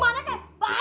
banyak gak tuh